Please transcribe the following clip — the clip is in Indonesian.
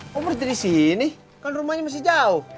kok berhenti di sini kan rumahnya masih jauh